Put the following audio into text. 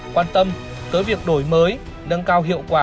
quan tâm tới việc đổi mới nâng cao hiệu quả